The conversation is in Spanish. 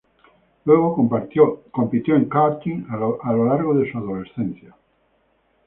Luego compitió en karting a lo largo de su adolescencia.